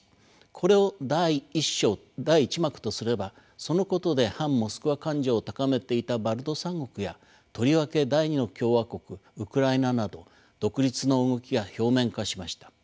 これを第１章第１幕とすればそのことで反モスクワ感情を高めていたバルト三国やとりわけ第２の共和国ウクライナなど独立の動きが表面化しました。